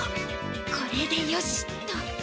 これでよしっと。